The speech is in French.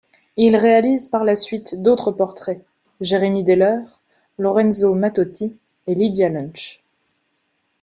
Il réalise par la suite d’autres portraits, Jeremy Deller, Lorenzo Mattotti et Lydia Lunch.